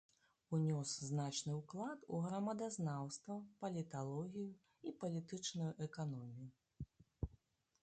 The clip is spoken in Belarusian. Унёс значны ўклад у грамадазнаўства, паліталогію і палітычную эканомію.